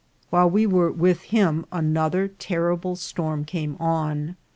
While we were with him another terrible storm came on.